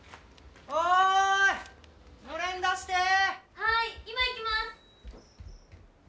はい、今行きます。